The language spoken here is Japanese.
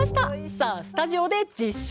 さあスタジオで実食！